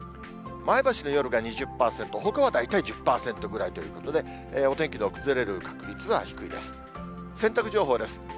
前橋の夜が２０％、ほかは大体１０％ぐらいということで、お天気の崩れる確率は低いです。